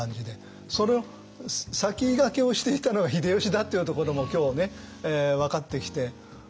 それを先駆けをしていたのが秀吉だというところも今日分かってきて。